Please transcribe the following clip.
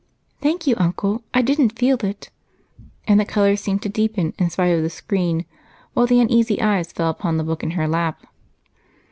"Thank you, Uncle. I didn't feel it." And the color seemed to deepen in spite of the screen while the uneasy eyes fell upon the book in her lap.